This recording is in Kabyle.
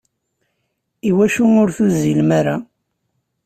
Iwacu ur tuzzilem ara?